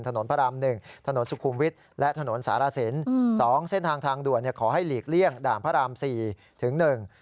ถนนพระราม๑ถนนสุคุมวิทย์และถนนสารสิน๒เส้นทางทางด่วนขอให้หลีกเลี่ยงด่านพระราม๔ถึง๑